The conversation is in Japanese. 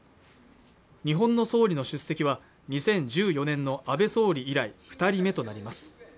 日本の総理の出席は２０１４年の安倍総理以来二人目となります